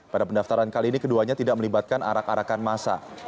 pada pendaftaran kali ini keduanya tidak melibatkan arak arakan masa